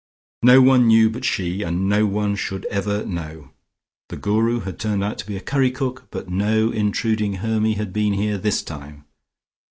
No one knew but she, and no one should ever know. The Guru had turned out to be a curry cook, but no intruding Hermy had been here this time.